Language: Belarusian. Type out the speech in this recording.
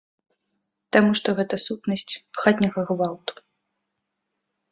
Таму што гэта сутнасць хатняга гвалту.